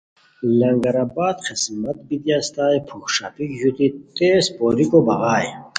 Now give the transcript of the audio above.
لنگر آباد خسمت بیتی استائے پُھک ݰاپیک ژوتی تیز پوریکو بغائے